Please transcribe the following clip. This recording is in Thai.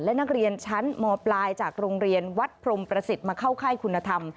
และนักเรียนชั้นมปลายจากโรงเรียนวัดพรมประสิทธิ์มาเข้าค่ายคุณธรรม